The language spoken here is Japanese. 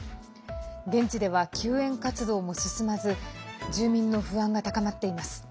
現地では救援活動も進まず住民の不安が高まっています。